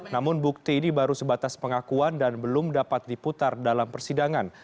namun bukti ini baru sebatas pengakuan dan belum dapat diputar dalam persidangan